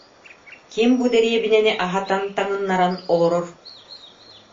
Ким бу дэриэбинэни аһатан, таҥыннаран олорор